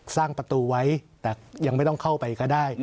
สร้างประตูไว้แต่ยังไม่ต้องเข้าไปก็ได้